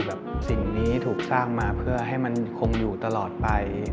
สิ่งนี้ถูกสร้างมาเพื่อให้มันคงอยู่ตลอดไป